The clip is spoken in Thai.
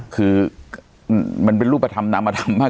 คือมันเป็นรูปธรรมนำมาธรรมมาก